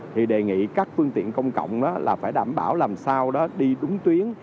thì đề nghị các phương tiện công cộng là phải đảm bảo làm sao đó đi đúng tuyến